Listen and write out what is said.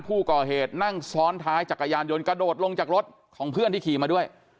ผู้ก่อเหตุนั่งซ้อนท้ายจักรยานยนต์กระโดดลงจากรถของเพื่อนที่ขี่มาด้วย